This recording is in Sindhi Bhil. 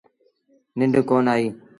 ننڊ ڪونا آئيٚ۔